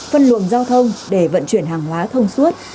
phân luồng giao thông để vận chuyển hàng hóa thông suốt